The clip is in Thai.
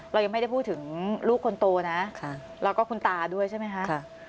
เรายังไม่ได้พูดถึงลูกคนโตนะแล้วก็คุณตาด้วยใช่ไหมคะ